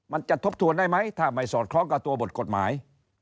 มันจะทบทวนได้ไหมถ้าไม่สอดเคาะตัวบทกฎหมาย